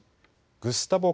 グスタボ